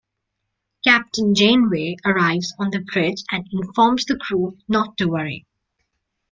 Captain Janeway arrives on the bridge and informs the crew not to worry.